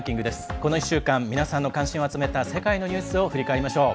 この１週間皆さんの関心を集めた世界のニュースを振り返りましょう。